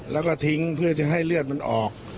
แล้วก็ทิ้งเพื่อจะให้เลือดมันออก